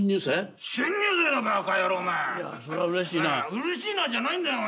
「うれしいな」じゃないんだよ。